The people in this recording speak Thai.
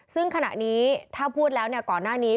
ซึ่งขณะนี้ถ้าพูดแล้วก่อนหน้านี้